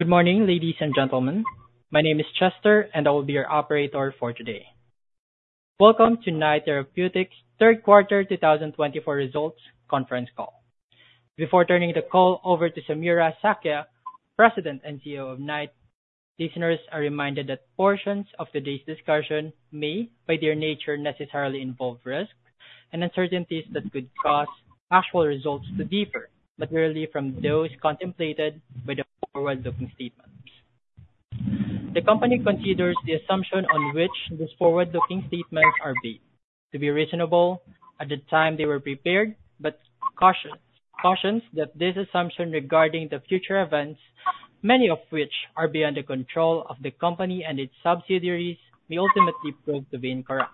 Good morning, ladies and gentlemen. My name is Chester, and I will be your operator for today. Welcome to Knight Therapeutics' Third Quarter 2024 Results Conference Call. Before turning the call over to Samira Sakhia, President and CEO of Knight, listeners are reminded that portions of today's discussion may, by their nature, necessarily involve risks and uncertainties that could cause actual results to differ materially from those contemplated by the forward-looking statements. The company considers the assumptions on which these forward-looking statements are based to be reasonable at the time they were prepared, but cautions that these assumptions regarding future events, many of which are beyond the control of the company and its subsidiaries, may ultimately prove to be incorrect.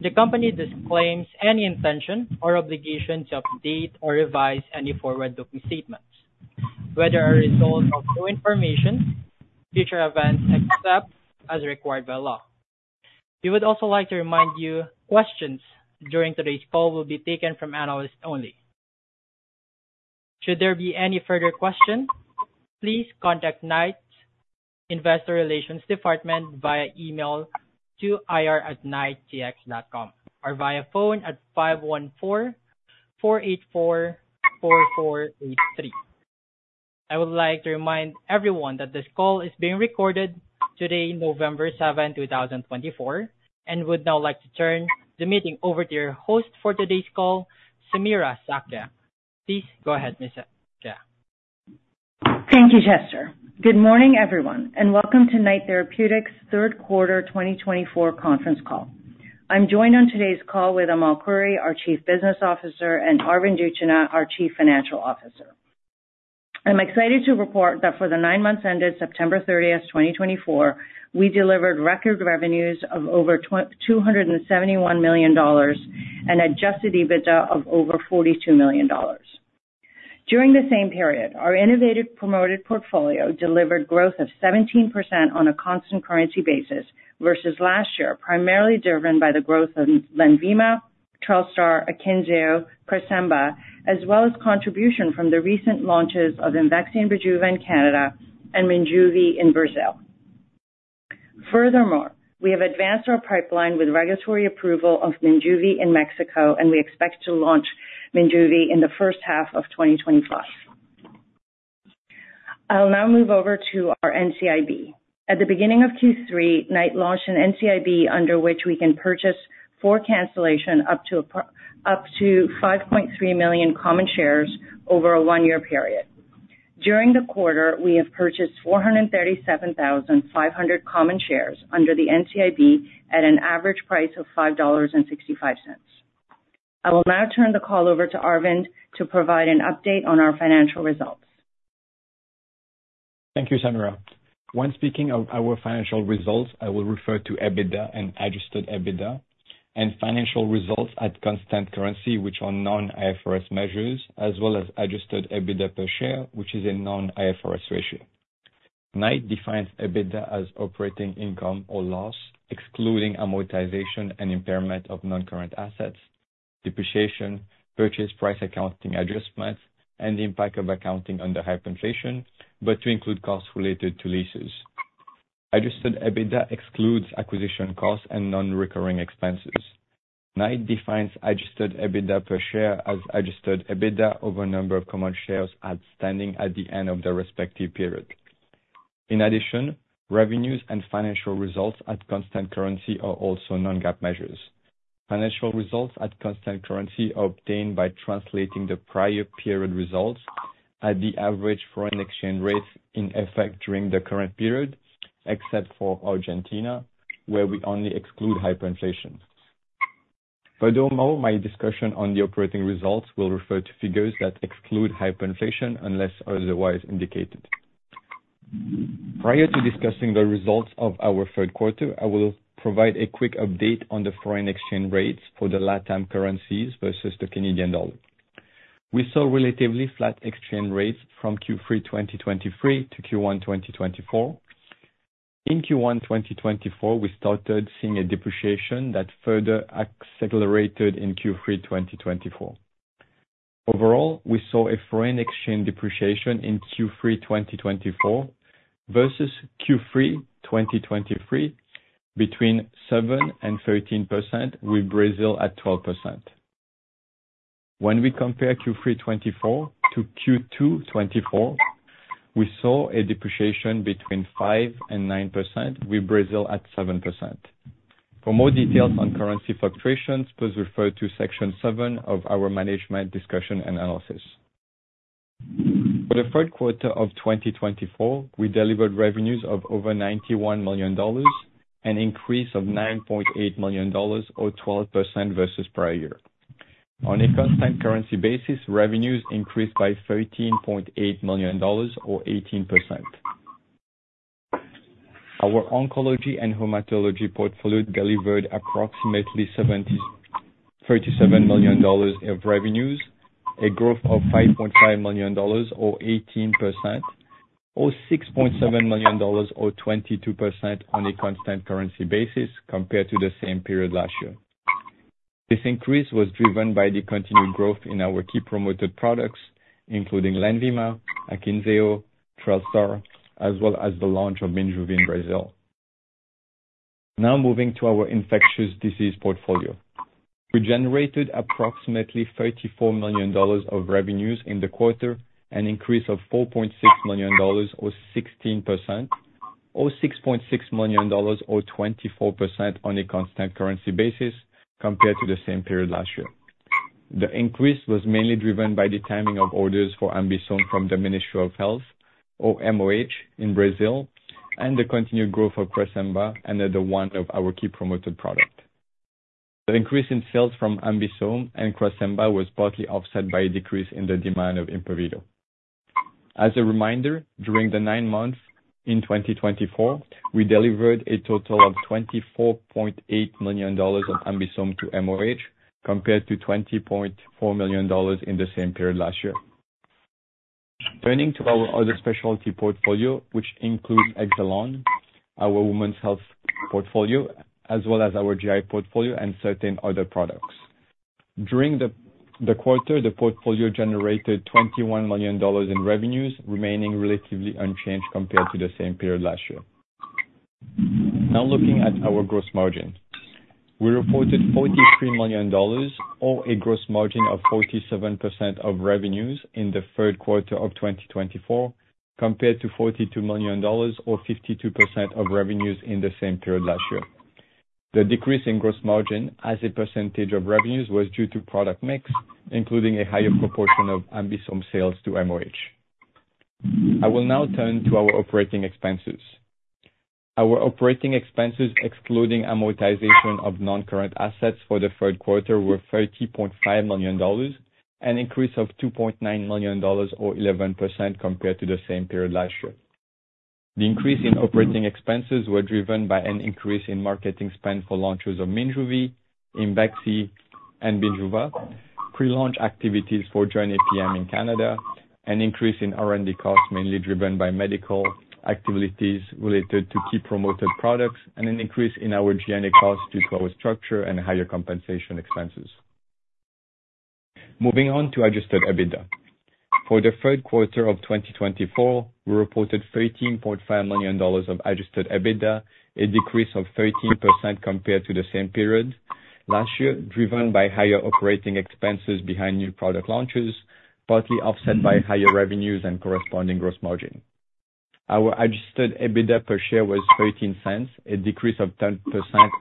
The company disclaims any intention or obligation to update or revise any forward-looking statements, whether as a result of new information, future events, etc., as required by law. We would also like to remind you that questions during today's call will be taken from analysts only. Should there be any further questions, please contact Knight's Investor Relations Department via email to ir@knightcx.com or via phone at 514-484-4483. I would like to remind everyone that this call is being recorded today, November 7, 2024, and would now like to turn the meeting over to your host for today's call, Samira Sakhia. Please go ahead, Ms. Sakhia. Thank you, Chester. Good morning, everyone, and welcome to Knight Therapeutics' third quarter 2024 conference call. I'm joined on today's call with Amal Khouri, our Chief Business Officer, and Arvind Utchanah, our Chief Financial Officer. I'm excited to report that for the nine months ended September 30, 2024, we delivered record revenues of over 271 million dollars and adjusted EBITDA of over 42 million dollars. During the same period, our innovative promoted portfolio delivered growth of 17% on a constant currency basis versus last year, primarily driven by the growth of Lenvima, Trelstar, Akynzeo, and Cresemba, as well as contribution from the recent launches of Imvexxy in Canada and Minjuvi in Brazil. Furthermore, we have advanced our pipeline with regulatory approval of Minjuvi in Mexico, and we expect to launch Minjuvi in the first half of 2025. I'll now move over to our NCIB. At the beginning of Q3, Knight launched an NCIB under which we can purchase for cancellation up to 5.3 million common shares over a one-year period. During the quarter, we have purchased 437,500 common shares under the NCIB at an average price of 5.65 dollars. I will now turn the call over to Arvind to provide an update on our financial results. Thank you, Samira. When speaking of our financial results, I will refer to EBITDA and adjusted EBITDA and financial results at constant currency, which are non-IFRS measures, as well as adjusted EBITDA per share, which is a non-IFRS ratio. Knight defines EBITDA as operating income or loss, excluding amortization and impairment of non-current assets, depreciation, purchase price accounting adjustment, and the impact of accounting under hyperinflation, but to include costs related to leases. Adjusted EBITDA excludes acquisition costs and non-recurring expenses. Knight defines adjusted EBITDA per share as adjusted EBITDA over a number of common shares outstanding at the end of the respective period. In addition, revenues and financial results at constant currency are also non-GAAP measures. Financial results at constant currency are obtained by translating the prior period results at the average foreign exchange rates in effect during the current period, except for Argentina, where we only exclude hyperinflation. Furthermore, my discussion on the operating results will refer to figures that exclude hyperinflation unless otherwise indicated. Prior to discussing the results of our third quarter, I will provide a quick update on the foreign exchange rates for the LATAM currencies versus the Canadian dollar. We saw relatively flat exchange rates from Q3 2023 to Q1 2024. In Q1 2024, we started seeing a depreciation that further accelerated in Q3 2024. Overall, we saw a foreign exchange depreciation in Q3 2024 versus Q3 2023 between 7% and 13%, with Brazil at 12%. When we compare Q3 2024 to Q2 2024, we saw a depreciation between 5% and 9%, with Brazil at 7%. For more details on currency fluctuations, please refer to Section seven of our management discussion and analysis. For the third quarter of 2024, we delivered revenues of over 91 million dollars and an increase of 9.8 million dollars, or 12% versus prior year. On a constant currency basis, revenues increased by 13.8 million dollars, or 18%. Our oncology and hematology portfolio delivered approximately 37 million dollars of revenues, a growth of 5.5 million dollars, or 18%, or 6.7 million dollars, or 22% on a constant currency basis compared to the same period last year. This increase was driven by the continued growth in our key promoted products, including Lenvima, Akynzeo, Trelstar, as well as the launch of Minjuvi in Brazil. Now moving to our infectious disease portfolio. We generated approximately CAD 34 million of revenues in the quarter and an increase of CAD 4.6 million, or 16%, or CAD 6.6 million, or 24% on a constant currency basis compared to the same period last year. The increase was mainly driven by the timing of orders for AmBisome from the Ministry of Health, or MOH, in Brazil, and the continued growth of Cresemba and the demand of our key promoted product. The increase in sales from AmBisome and Cresemba was partly offset by a decrease in the demand of Impavido. As a reminder, during the nine months in 2024, we delivered a total of 24.8 million dollars of AmBisome to MOH compared to 20.4 million dollars in the same period last year. Turning to our other specialty portfolio, which includes Exelon, our women's health portfolio, as well as our GI portfolio and certain other products. During the quarter, the portfolio generated 21 million dollars in revenues, remaining relatively unchanged compared to the same period last year. Now looking at our gross margin, we reported 43 million dollars, or a gross margin of 47% of revenues in the third quarter of 2024, compared to 42 million dollars, or 52% of revenues in the same period last year. The decrease in gross margin as a percentage of revenues was due to product mix, including a higher proportion of AmBisome sales to MOH. I will now turn to our operating expenses. Our operating expenses, excluding amortization of non-current assets for the third quarter, were 30.5 million dollars and an increase of 2.9 million dollars, or 11% compared to the same period last year. The increase in operating expenses was driven by an increase in marketing spend for launches of Minjuvi, Imvexxy, and Bijuva, pre-launch activities for Jornay PM in Canada, an increase in R&D costs mainly driven by medical activities related to key promoted products, and an increase in our G&A costs due to our structure and higher compensation expenses. Moving on to adjusted EBITDA. For the third quarter of 2024, we reported 13.5 million dollars of adjusted EBITDA, a decrease of 13% compared to the same period last year, driven by higher operating expenses behind new product launches, partly offset by higher revenues and corresponding gross margin. Our adjusted EBITDA per share was 0.13, a decrease of 10%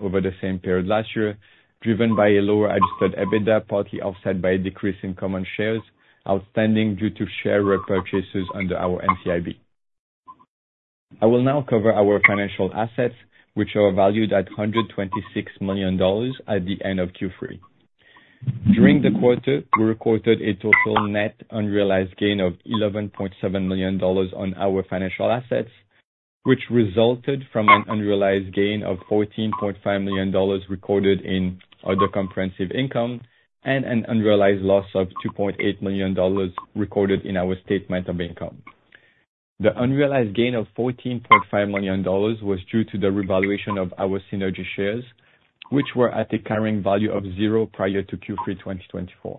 over the same period last year, driven by a lower adjusted EBITDA, partly offset by a decrease in common shares outstanding due to share repurchases under our NCIB. I will now cover our financial assets, which are valued at 126 million dollars at the end of Q3. During the quarter, we recorded a total net unrealized gain of 11.7 million dollars on our financial assets, which resulted from an unrealized gain of 14.5 million dollars recorded in other comprehensive income and an unrealized loss of 2.8 million dollars recorded in our statement of income. The unrealized gain of 14.5 million dollars was due to the revaluation of our Synergy shares, which were at a carrying value of zero prior to Q3 2024.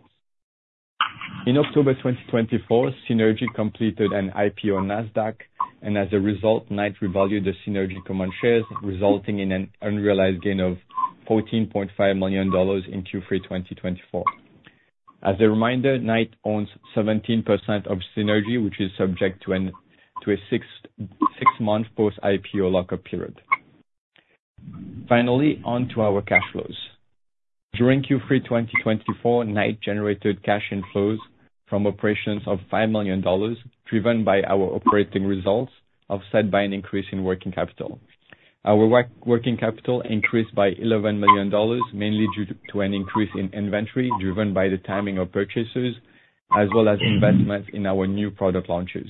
In October 2024, Synergy completed an IPO on NASDAQ, and as a result, Knight revalued the Synergy common shares, resulting in an unrealized gain of CAD 14.5 million in Q3 2024. As a reminder, Knight owns 17% of Synergy, which is subject to a six-month post-IPO lockup period. Finally, on to our cash flows. During Q3 2024, Knight generated cash inflows from operations of 5 million dollars, driven by our operating results, offset by an increase in working capital. Our working capital increased by 11 million dollars, mainly due to an increase in inventory driven by the timing of purchases, as well as investments in our new product launches.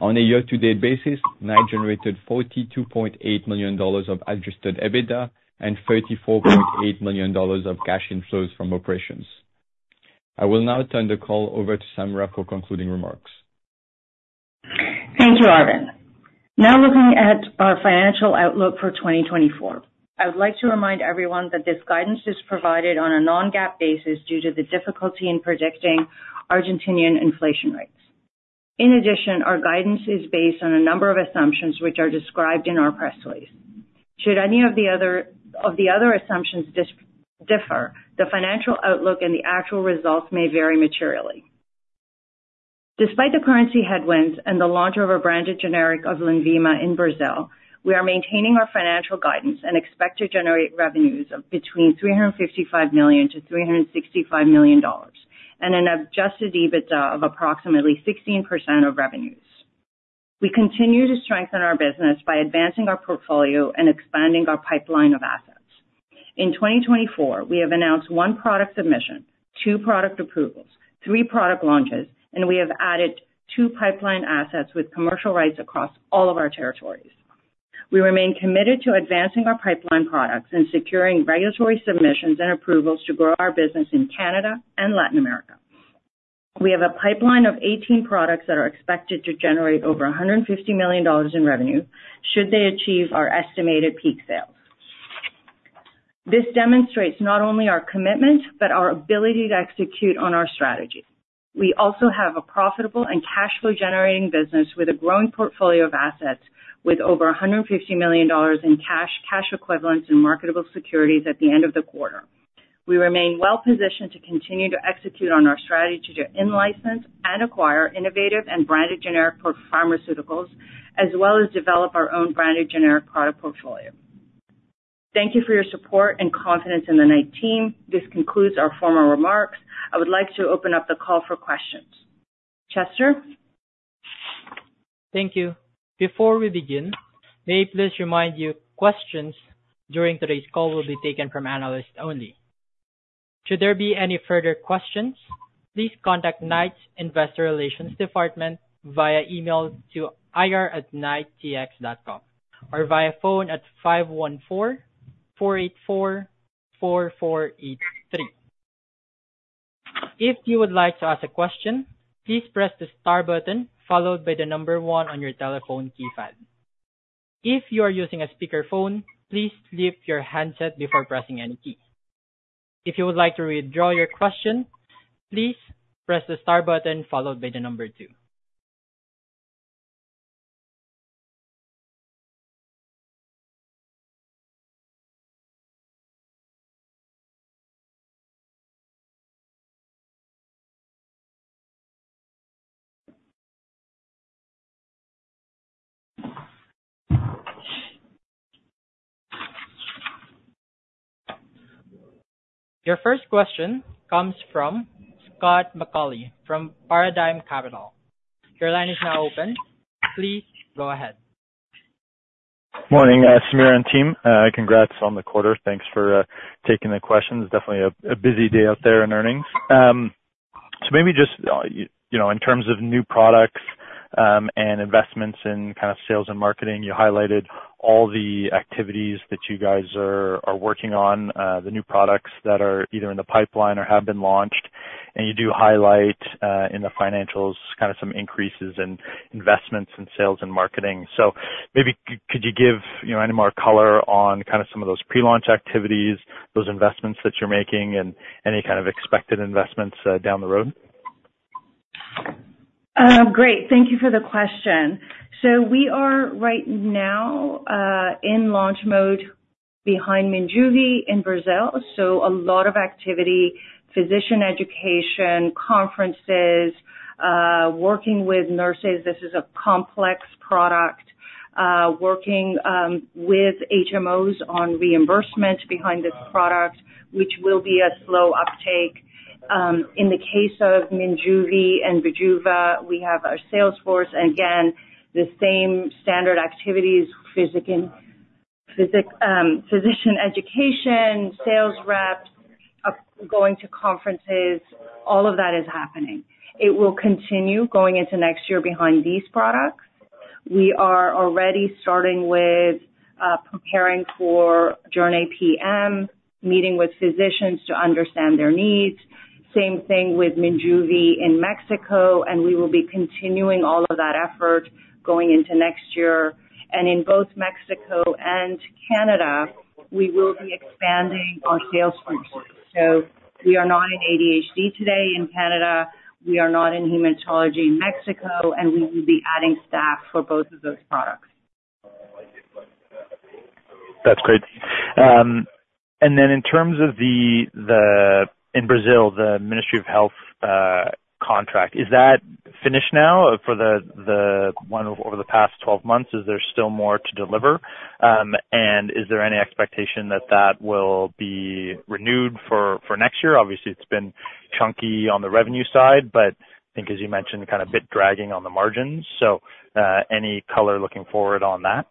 On a year-to-date basis, Knight generated 42.8 million dollars of adjusted EBITDA and 34.8 million dollars of cash inflows from operations. I will now turn the call over to Samira for concluding remarks. Thank you, Arvind. Now looking at our financial outlook for 2024, I would like to remind everyone that this guidance is provided on a Non-GAAP basis due to the difficulty in predicting Argentinian inflation rates. In addition, our guidance is based on a number of assumptions which are described in our press release. Should any of the other assumptions differ, the financial outlook and the actual results may vary materially. Despite the currency headwinds and the launch of a branded generic of Lenvima in Brazil, we are maintaining our financial guidance and expect to generate revenues of between $355 million-$365 million and an adjusted EBITDA of approximately 16% of revenues. We continue to strengthen our business by advancing our portfolio and expanding our pipeline of assets. In 2024, we have announced one product submission, two product approvals, three product launches, and we have added two pipeline assets with commercial rights across all of our territories. We remain committed to advancing our pipeline products and securing regulatory submissions and approvals to grow our business in Canada and Latin America. We have a pipeline of 18 products that are expected to generate over $150 million in revenue should they achieve our estimated peak sales. This demonstrates not only our commitment but our ability to execute on our strategy. We also have a profitable and cash flow-generating business with a growing portfolio of assets with over $150 million in cash, cash equivalents, and marketable securities at the end of the quarter. We remain well-positioned to continue to execute on our strategy to in-license and acquire innovative and branded generic for pharmaceuticals, as well as develop our own branded generic product portfolio. Thank you for your support and confidence in the Knight team. This concludes our formal remarks. I would like to open up the call for questions. Chester? Thank you. Before we begin, may I please remind you that questions during today's call will be taken from analysts only. Should there be any further questions, please contact Knight's Investor Relations Department via email to ir@knightcx.com or via phone at 514-484-4483. If you would like to ask a question, please press the star button followed by the number one on your telephone keypad. If you are using a speakerphone, please flip your handset before pressing any key. If you would like to withdraw your question, please press the star button followed by the number two. Your first question comes from Scott McAuley from Paradigm Capital. Your line is now open. Please go ahead. Good morning, Samira and team. Congrats on the quarter. Thanks for taking the questions. Definitely a busy day out there in earnings, so maybe just in terms of new products and investments in kind of sales and marketing, you highlighted all the activities that you guys are working on, the new products that are either in the pipeline or have been launched, and you do highlight in the financials kind of some increases in investments in sales and marketing, so maybe could you give any more color on kind of some of those pre-launch activities, those investments that you're making, and any kind of expected investments down the road? Great. Thank you for the question. We are right now in launch mode behind Minjuvi in Brazil. A lot of activity, physician education, conferences, working with nurses. This is a complex product, working with HMOs on reimbursement behind this product, which will be a slow uptake. In the case of Minjuvi and Bijuva, we have our sales force. Again, the same standard activities, physician education, sales reps, going to conferences, all of that is happening. It will continue going into next year behind these products. We are already starting with preparing for Jornay PM, meeting with physicians to understand their needs. Same thing with Minjuvi in Mexico. We will be continuing all of that effort going into next year. In both Mexico and Canada, we will be expanding our sales force. We are not in ADHD today in Canada. We are not in hematology in Mexico, and we will be adding staff for both of those products. That's great. And then in terms of the one in Brazil, the Ministry of Health contract, is that finished now for the one over the past 12 months? Is there still more to deliver? And is there any expectation that that will be renewed for next year? Obviously, it's been chunky on the revenue side, but I think, as you mentioned, kind of a bit dragging on the margins. So any color looking forward on that?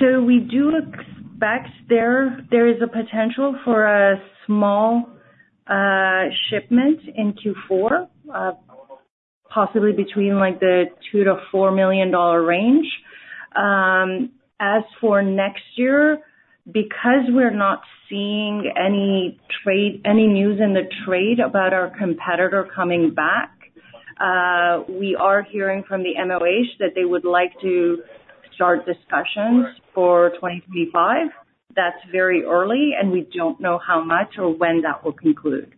So we do expect there is a potential for a small shipment in Q4, possibly between the $2 million-$4 million range. As for next year, because we're not seeing any news in the trade about our competitor coming back, we are hearing from the MOH that they would like to start discussions for 2025. That's very early, and we don't know how much or when that will conclude.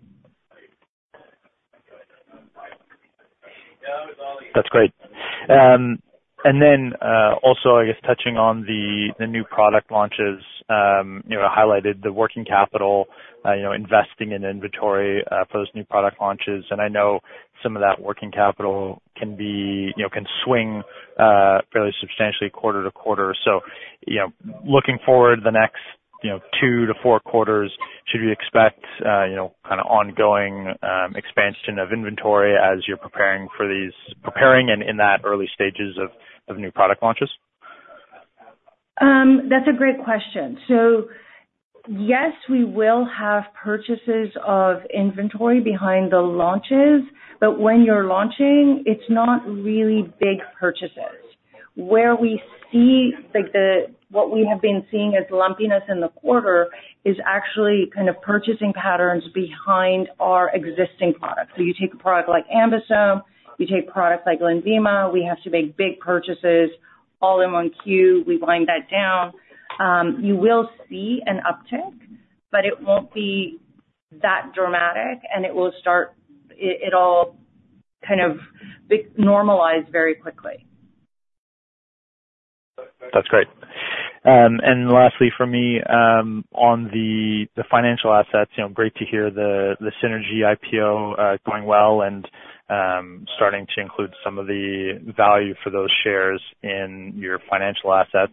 That's great. And then also, I guess, touching on the new product launches, you highlighted the working capital, investing in inventory for those new product launches. And I know some of that working capital can swing fairly substantially quarter to quarter. So looking forward, the next two to four quarters, should we expect kind of ongoing expansion of inventory as you're preparing for these and in that early stages of new product launches? That's a great question. So yes, we will have purchases of inventory behind the launches. But when you're launching, it's not really big purchases. Where we see what we have been seeing as lumpiness in the quarter is actually kind of purchasing patterns behind our existing products. So you take a product like AmBisome, you take products like Lenvima, we have to make big purchases all in one go. We wind that down. You will see an uptick, but it won't be that dramatic, and it will start, it'll kind of normalize very quickly. That's great, and lastly, for me, on the financial assets, great to hear the Synergy IPO going well and starting to include some of the value for those shares in your financial assets.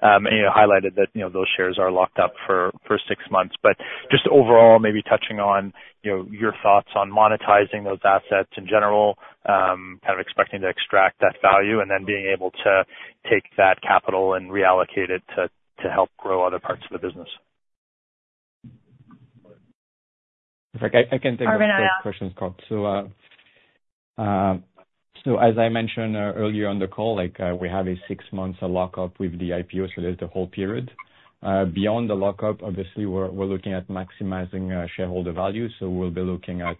And you highlighted that those shares are locked up for six months. But just overall, maybe touching on your thoughts on monetizing those assets in general, kind of expecting to extract that value and then being able to take that capital and reallocate it to help grow other parts of the business. I can take the first question's call. So as I mentioned earlier on the call, we have a six-month lockup with the IPO, so there's the whole period. Beyond the lockup, obviously, we're looking at maximizing shareholder value. So we'll be looking at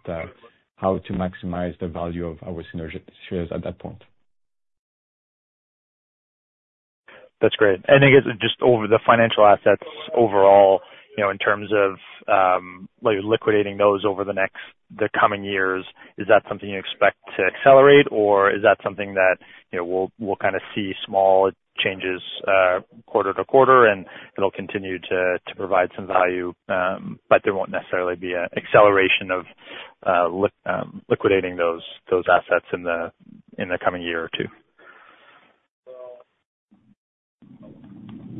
how to maximize the value of our Synergy shares at that point. That's great. And I guess just over the financial assets overall, in terms of liquidating those over the coming years, is that something you expect to accelerate, or is that something that we'll kind of see small changes quarter to quarter, and it'll continue to provide some value, but there won't necessarily be an acceleration of liquidating those assets in the coming year or two?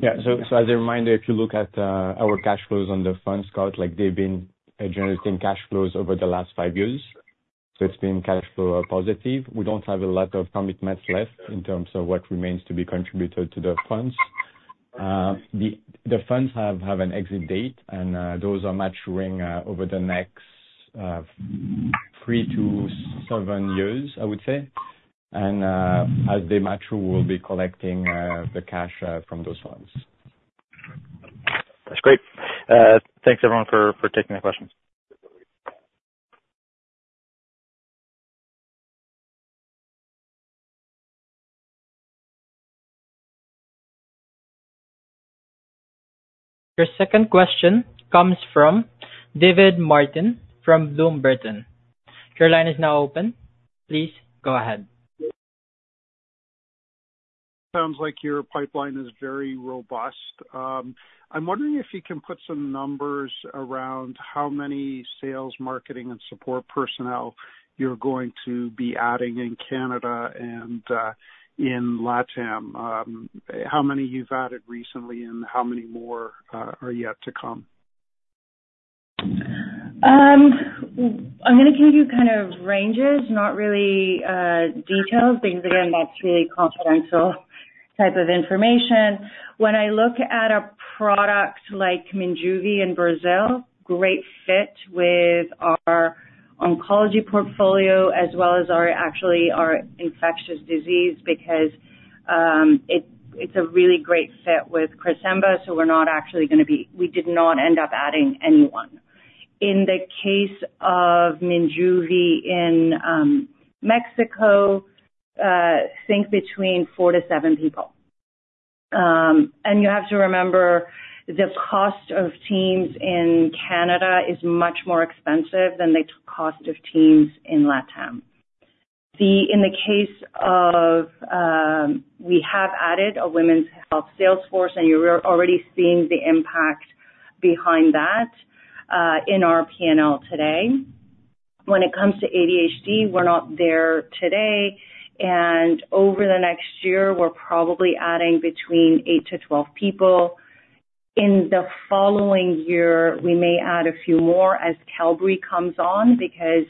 Yeah. So as a reminder, if you look at our cash flows on the funds, Scott, they've been generating cash flows over the last five years. So it's been cash flow positive. We don't have a lot of commitments left in terms of what remains to be contributed to the funds. The funds have an exit date, and those are maturing over the next three to seven years, I would say. And as they mature, we'll be collecting the cash from those funds. That's great. Thanks, everyone, for taking the questions. Your second question comes from David Martin from Bloom Burton. Your line is now open. Please go ahead. Sounds like your pipeline is very robust. I'm wondering if you can put some numbers around how many sales, marketing, and support personnel you're going to be adding in Canada and in LATAM. How many you've added recently, and how many more are yet to come? I'm going to give you kind of ranges, not really details, because again, that's really confidential type of information. When I look at a product like Minjuvi in Brazil, great fit with our oncology portfolio as well as actually our infectious disease because it's a really great fit with Cresemba. So we're not actually going to be we did not end up adding anyone. In the case of Minjuvi in Mexico, think between four to seven people. And you have to remember the cost of teams in Canada is much more expensive than the cost of teams in LATAM. In the case of we have added a women's health sales force, and you're already seeing the impact behind that in our P&L today. When it comes to ADHD, we're not there today. And over the next year, we're probably adding between eight to 12 people. In the following year, we may add a few more as Qelbree comes on because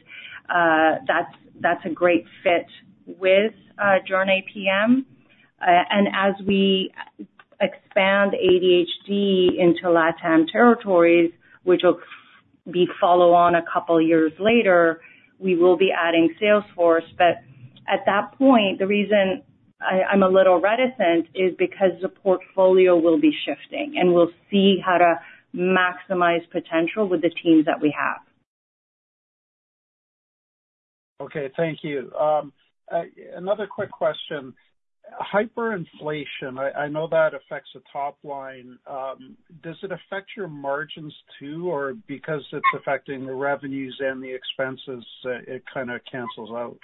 that's a great fit with Jornay PM. And as we expand ADHD into LATAM territories, which will be followed on a couple of years later, we will be adding sales force. But at that point, the reason I'm a little reticent is because the portfolio will be shifting, and we'll see how to maximize potential with the teams that we have. Okay. Thank you. Another quick question. Hyperinflation, I know that affects the top line. Does it affect your margins too, or because it's affecting the revenues and the expenses, it kind of cancels out?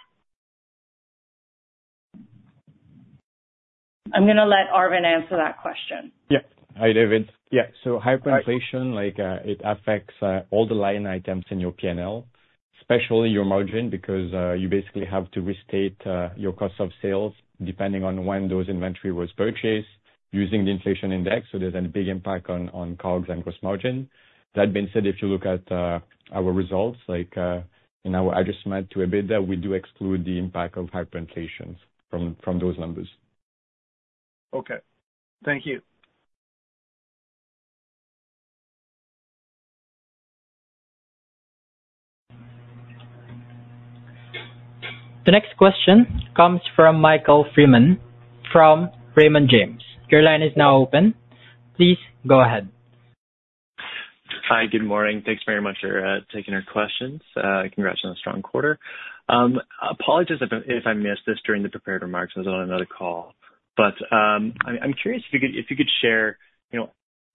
I'm going to let Arvind answer that question. Yeah. Hi, David. Yeah. So hyperinflation, it affects all the line items in your P&L, especially your margin because you basically have to restate your cost of sales depending on when those inventory was purchased using the inflation index. So there's a big impact on COGS and gross margin. That being said, if you look at our results, in our adjustment to EBITDA, we do exclude the impact of hyperinflation from those numbers. Okay. Thank you. The next question comes from Michael Freeman from Raymond James. Your line is now open. Please go ahead. Hi. Good morning. Thanks very much for taking our questions. Congrats on a strong quarter. Apologies if I missed this during the prepared remarks. I was on another call. But I'm curious if you could share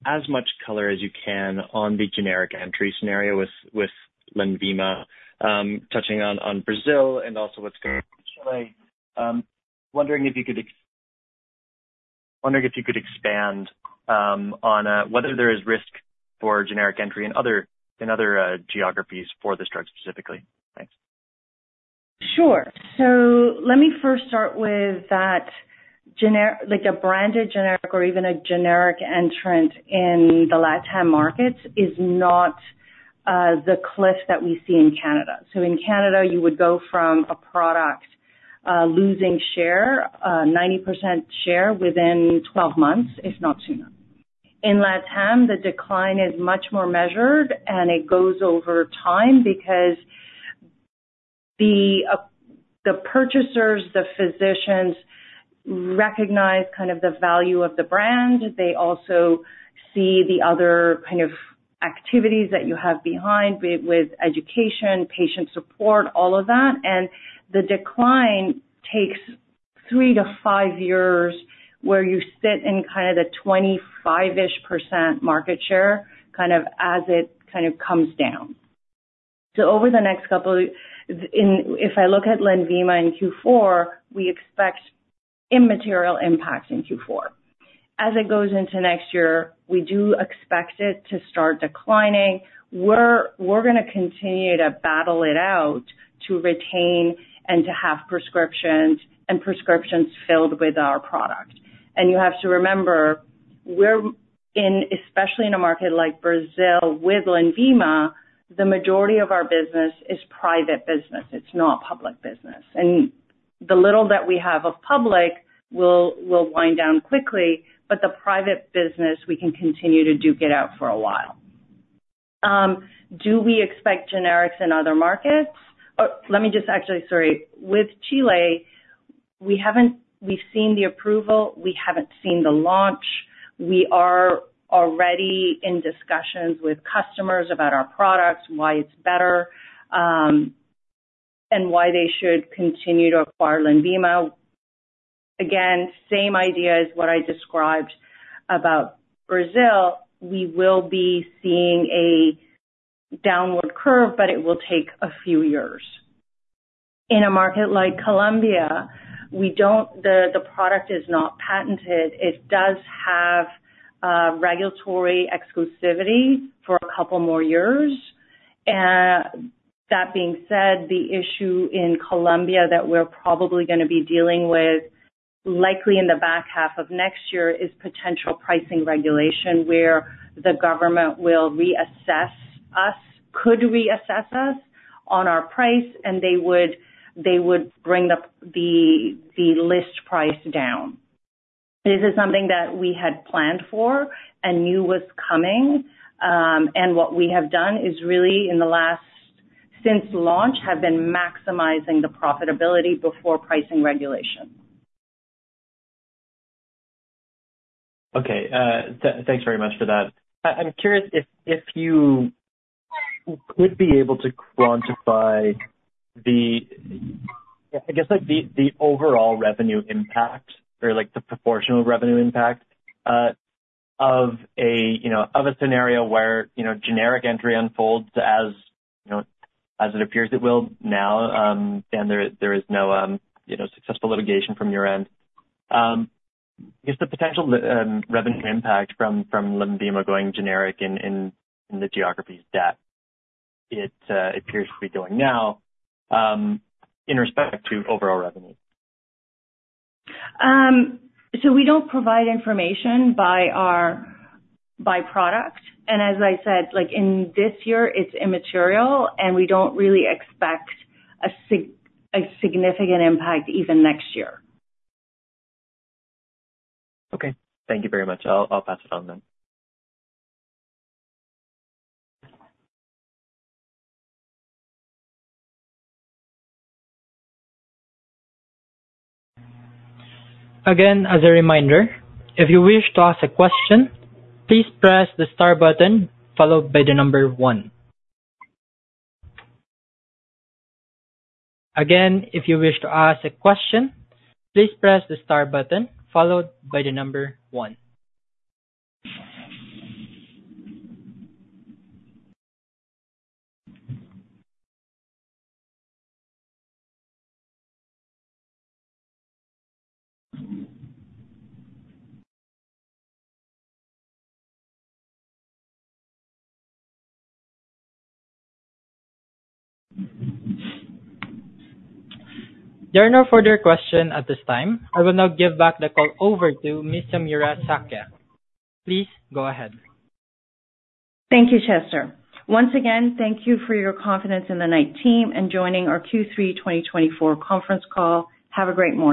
as much color as you can on the generic entry scenario with Lenvima, touching on Brazil and also what's going on in Chile. Wondering if you could expand on whether there is risk for generic entry in other geographies for this drug specifically. Thanks. Sure. So let me first start with that. A branded generic or even a generic entrant in the LATAM markets is not the cliff that we see in Canada. So in Canada, you would go from a product losing 90% share within 12 months, if not sooner. In LATAM, the decline is much more measured, and it goes over time because the purchasers, the physicians recognize kind of the value of the brand. They also see the other kind of activities that you have behind with education, patient support, all of that. And the decline takes three to five years where you sit in kind of the 25-ish% market share kind of as it kind of comes down. So over the next couple of years, if I look at Lenvima in Q4, we expect immaterial impact in Q4. As it goes into next year, we do expect it to start declining. We're going to continue to battle it out to retain and to have prescriptions and prescriptions filled with our product. And you have to remember, especially in a market like Brazil with Lenvima, the majority of our business is private business. It's not public business. And the little that we have of public will wind down quickly. But the private business, we can continue to duke it out for a while. Do we expect generics in other markets? Let me just actually sorry. With Chile, we've seen the approval. We haven't seen the launch. We are already in discussions with customers about our products, why it's better, and why they should continue to acquire Lenvima. Again, same idea as what I described about Brazil. We will be seeing a downward curve, but it will take a few years. In a market like Colombia, the product is not patented. It does have regulatory exclusivity for a couple more years. That being said, the issue in Colombia that we're probably going to be dealing with likely in the back half of next year is potential pricing regulation where the government will reassess us, could reassess us on our price, and they would bring the list price down. This is something that we had planned for and knew was coming, and what we have done is really, since launch, have been maximizing the profitability before pricing regulation. Okay. Thanks very much for that. I'm curious if you could be able to quantify, I guess, the overall revenue impact or the proportional revenue impact of a scenario where generic entry unfolds as it appears it will now, and there is no successful litigation from your end. Just the potential revenue impact from Lenvima going generic in the geographies that it appears to be doing now in respect to overall revenue. So we don't provide information by product. And as I said, in this year, it's immaterial, and we don't really expect a significant impact even next year. Okay. Thank you very much. I'll pass it on then. Again, as a reminder, if you wish to ask a question, please press the star button followed by the number one. Again, if you wish to ask a question, please press the star button followed by the number one. There are no further questions at this time. I will now give back the call over to Ms. Samira Sakhia. Please go ahead. Thank you, Chester. Once again, thank you for your confidence in the Knight team and joining our Q3 2024 conference call. Have a great morning.